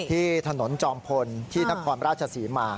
ที่ถนนจองพลที่นักความราชศรีมา